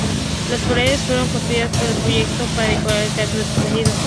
Las paredes fueron construidas, pero el proyecto para decorar el teatro fue suspendido.